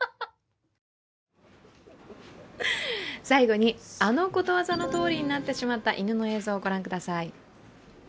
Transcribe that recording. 最後に、あのことわざのとおりになってしまった犬の映像、御覧ください。